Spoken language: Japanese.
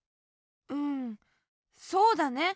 うんそうだね。